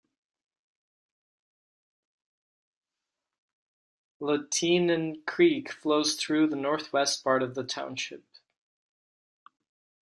Lehtinen Creek flows through the northwest part of the township.